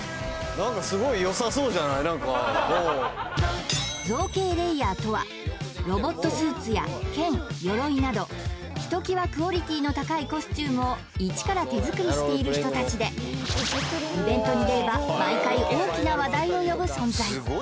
今夜の「ジロジロ有吉」は造形レイヤーとはロボットスーツや剣鎧などひときわクオリティの高いコスチュームを一から手作りしている人たちでイベントに出れば毎回大きな話題を呼ぶ存在！